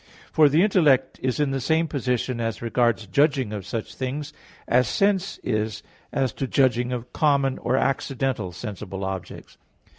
For the intellect is in the same position as regards judging of such things, as sense is as to judging of common, or accidental, sensible objects.